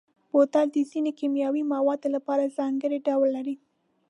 بوتل د ځینو کیمیاوي موادو لپاره ځانګړی ډول لري.